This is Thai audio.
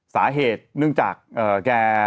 สาเหตุเนื่องจากแก